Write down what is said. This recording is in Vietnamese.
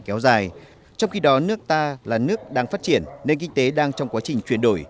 kéo dài trong khi đó nước ta là nước đang phát triển nền kinh tế đang trong quá trình chuyển đổi